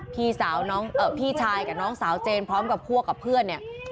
พี่สาวน้องเอ่อพี่ชายกับน้องสาวเจนพร้อมกับพวกกับเพื่อนเนี่ย